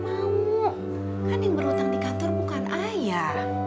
mau kan yang berhutang di kantor bukan ayah